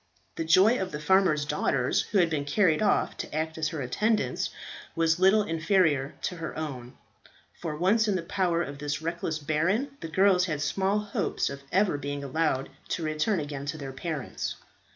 The joy of the farmers' daughters who had been carried off to act as her attendants was little inferior to her own; for once in the power of this reckless baron, the girls had small hopes of ever being allowed to return again to their parents.